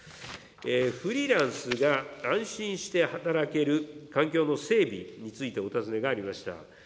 フリーランスが安心して働ける環境の整備についてお尋ねがありました。